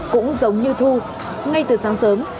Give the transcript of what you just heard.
cũng giống như thu ngay từ sáng sớm